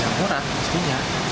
yang murah pastinya